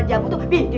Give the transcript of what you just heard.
bisa berubah juga